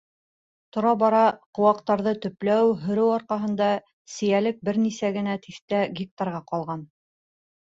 Тора-бара, ҡыуаҡтарҙы төпләү, һөрөү арҡаһында, сейәлек бер нисә генә тиҫтә гектарға ҡалған.